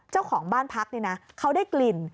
เจ้าของบ้านพักเนี่ยนะเขาได้กลิ่น